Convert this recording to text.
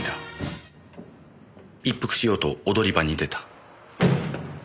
一服しようと踊り場に出た。